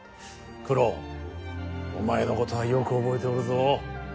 九郎お前のことはよく覚えておるぞ。